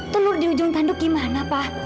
telur di ujung tanduk gimana pak